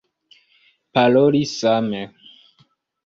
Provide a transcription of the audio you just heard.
Paroli same.